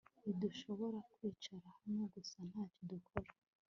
Ntidushobora kwicara hano gusa ntacyo dukora